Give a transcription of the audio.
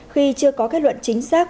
khi chưa có kết luận chính xác